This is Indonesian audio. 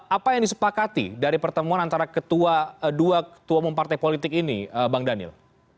apa yang disepakati dari pertemuan antara dua ketua umum partai politik ini bang daniel